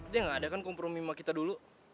dia nggak ada kan kompromi sama kita dulu